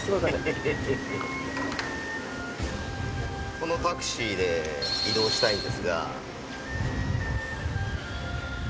このタクシーで移動したいんですが。